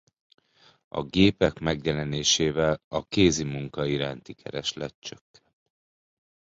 A gépek megjelenésével a kézi munka iránti kereslet csökkent.